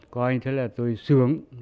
coi như thế là tôi sướng